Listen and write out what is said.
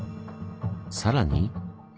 さらに。